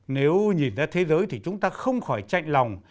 nếu nhìn ra thế giới thì chúng ta không khỏi chạy lòng